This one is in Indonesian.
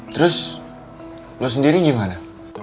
terus lo sendiri gimana